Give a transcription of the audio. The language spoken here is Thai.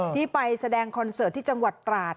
ที่ไปแสดงคอนเสิร์ตที่จังหวัดตราด